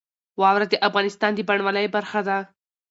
واوره د افغانستان د بڼوالۍ برخه ده.